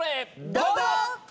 どうぞ！